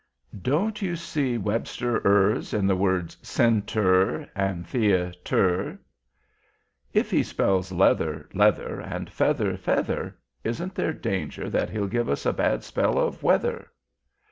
"Don't you see Webster ers in the words cent_er_ and theat_er_? "If he spells leather lether, and feather fether, isn't there danger that he'll give us a bad spell of weather?